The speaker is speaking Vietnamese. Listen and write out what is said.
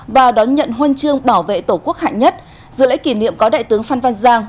và đón nhận huân chương bảo vệ tổ quốc hạnh nhất giữa lễ kỷ niệm có đại tướng phan van giang